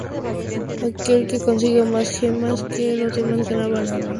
Aquel que consiga más gemas que los demás, ganaba la ronda.